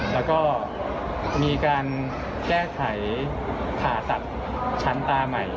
แล้วก็มีการแก้ไขผ่าตัดชั้นตาใหม่